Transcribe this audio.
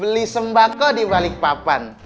beli sembako di balikpapan